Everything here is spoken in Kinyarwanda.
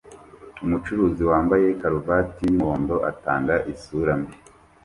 Umucuruzi wambaye karuvati yumuhondo atanga isura mbi